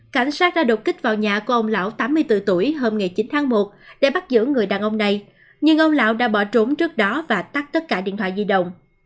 cảnh sát đã đột kích vào nhà của ông lão tám mươi bốn tuổi hôm ngày chín tháng một để bắt giữ người đàn ông này nhưng ông lão đã bỏ trốn trước đó và tắt tất cả điện thoại di động